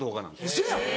ウソやん！